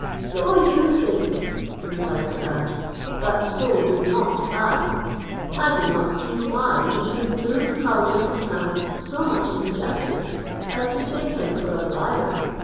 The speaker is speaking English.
"So you think," replied Saad: "but so do not I. I do not see why you should do Khaujeh Hassan so much injustice as to take him for a liar.